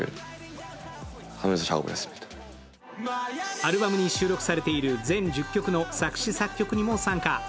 アルバムに収録されている全１０曲の作詩作曲にも参加。